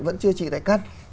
vẫn chưa trị đại căn